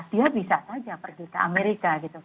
dia bisa saja pergi ke amerika gitu